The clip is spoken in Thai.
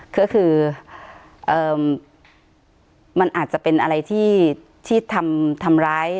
ก็คือเอ่อมันอาจจะเป็นอะไรที่ที่ทำทำร้าย